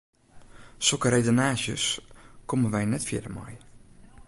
Sokke redenaasjes komme wy net fierder mei.